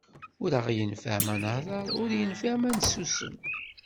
Ur aɣ-yenfiɛ ma nahḍer, ur yenfiɛ ma nessusem.